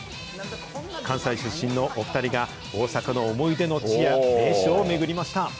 関西出身のお２人が、大阪の思い出の地や名所を巡りました。